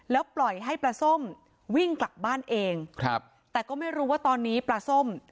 แล้วปล่อยให้ปลาส้มวิ่งกลับบ้านเองครับแต่ก็ไม่รู้ว่าตอนนี้ปลาส้ม